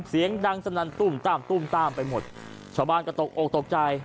เสียงดังสนั่นตุ้มตามตุ้มตามไปหมดชาวบ้านก็ตกอกตกใจ